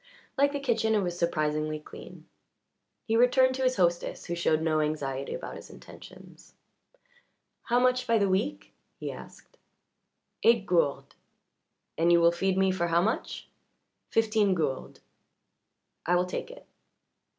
Like the kitchen it was surprisingly clean. He returned to his hostess, who showed no anxiety about his intentions. "How much by the week?" he asked. "Eight gourdes." "And you will feed me for how much?" "Fifteen gourdes." "I will take it."